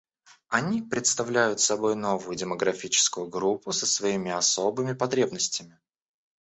Они представляют собой новую демографическую группу со своими особыми потребностями.